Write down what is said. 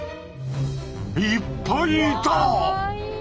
いっぱいいた！